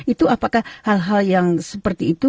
itu apakah hal hal yang seperti itu